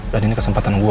dan ini kesempatan gue